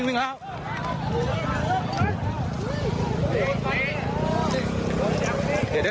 วิ่งแล้ว